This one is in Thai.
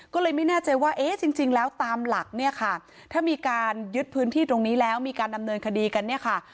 ก็เลยไม่แน่ใจว่าเอ๊ะจริงแล้วตามหลักเนี่ยค่ะถ้ามีการยึดพื้นที่ตรงนี้แล้วมีการดำเนินคดีกันเนี่ยค่ะ